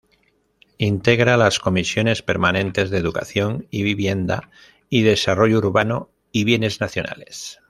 Integra las comisiones permanentes de Educación; y Vivienda y Desarrollo Urbano y Bienes Nacionales.